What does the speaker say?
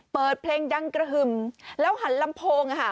เปิดเพลงดังกระฮึมแล้วหันลำโพงอ่ะค่ะ